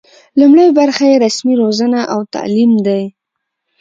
لومړۍ برخه یې رسمي روزنه او تعلیم دی.